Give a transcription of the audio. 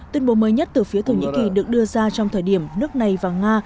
tuyên bố mới nhất từ phía thổ nhĩ kỳ được đưa ra trong thời điểm nước này và nga